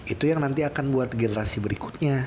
itu yang nanti akan buat generasi berikutnya